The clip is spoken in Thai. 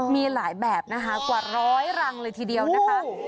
มีหลายแบบนะคะกว่าร้อยรังเลยทีเดียวนะคะ